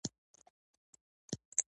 مالونه خو به هره ورځ پرې ختل.